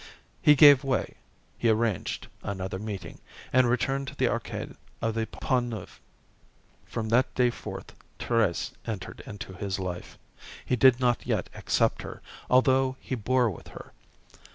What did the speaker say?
He gave way. He arranged another meeting, and returned to the Arcade of the Pont Neuf. From that day forth, Thérèse entered into his life. He did not yet accept her, although he bore with her.